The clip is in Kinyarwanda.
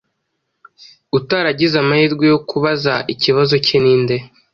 utaragize amahirwe yo kubaza ikibazo cye ninde